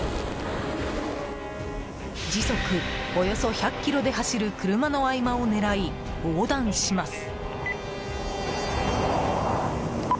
時速およそ１００キロで走る車の合間を狙い、横断します。